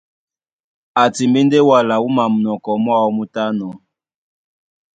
A timbí ndé wala wúma munɔkɔ mwáō mú tánɔ̄.